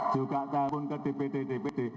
juga karun ke dpd dpd